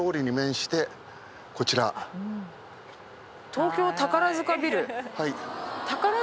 東京宝塚ビル。